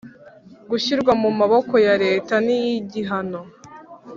Gushyirwa mu maboko ya leta ni igihano